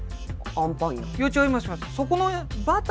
あんパンやん。